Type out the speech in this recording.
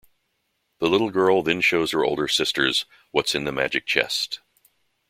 The little girl then shows her older sister what's in the magic chest.